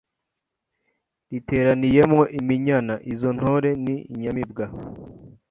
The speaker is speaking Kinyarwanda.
Riteraniyemo Iminyana Izo ntore ni inyamibwa